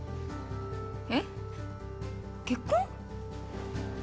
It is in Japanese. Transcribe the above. えっ？結婚？